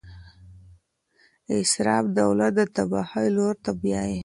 اسراف دولت د تباهۍ لور ته بیايي.